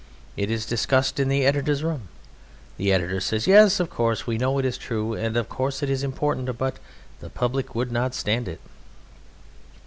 It is discussed in the editor's room. The editor says, "Yes, of course, we know it is true, and of course it is important, but the Public would not stand it."